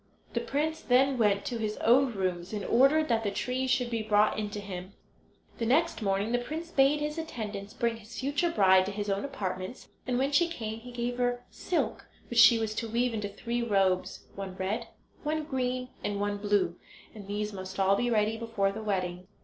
The prince then went to his own rooms and ordered that the trees should be brought in to him. The next morning the prince bade his attendants bring his future bride to his own apartments, and when she came he gave her silk which she was to weave into three robes—one red, one green, and one blue—and these must all be ready before the wedding.